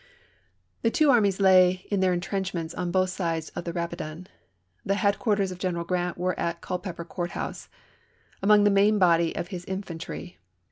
The two armies lay in their intrenchments on both sides of the Rapidan. The headquarters of General Grant were at Culpeper Court House, among the main body of his infantry ; those of Chap.